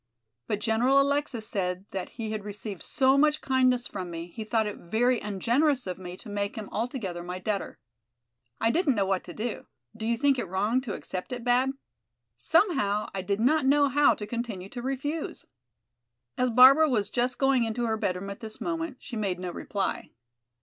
But General Alexis said that he had received so much kindness from me, he thought it very ungenerous of me to make him altogether my debtor. I didn't know what to do. Do you think it wrong to accept it, Bab? Somehow I did not know how to continue to refuse." As Barbara was just going into her bedroom at this moment, she made no reply.